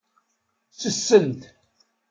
Ttessent.